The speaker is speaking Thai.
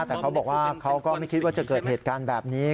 แต่เขาบอกว่าเขาก็ไม่คิดว่าจะเกิดเหตุการณ์แบบนี้